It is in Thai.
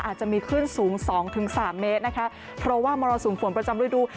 อาจจะมีขึ้นสูง๒๓เมตรนะคะเพราะว่ามรสูงฝนประจำรูดู